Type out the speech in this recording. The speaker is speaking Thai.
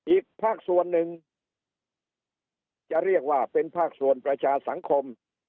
อีกภาคส่วนหนึ่งจะเรียกว่าเป็นภาคส่วนประชาสังคม